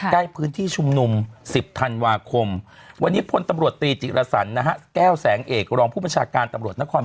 ใกล้พื้นที่ชุมนุม